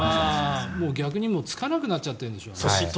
逆にもうつかなくなってるんでしょうね。